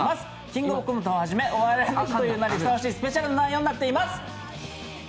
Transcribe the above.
「キングオブコント」をはじめ「お笑いの日」の名にふさわしいスペシャルな内容となっています！